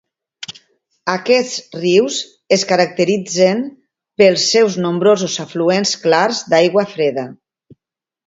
Aquests rius es caracteritzen pels seus nombrosos afluents clars d'aigua freda.